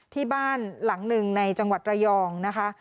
ที่บ้านหลังหนึ่งในจังหวัดระยองนะคะ